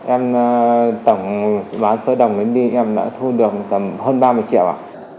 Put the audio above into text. em tổng bán số đồng đến đi em đã thu được tầm hơn ba mươi triệu ạ